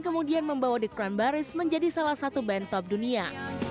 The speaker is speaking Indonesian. kemudian membawa the crown baris menjadi salah satu band top dunia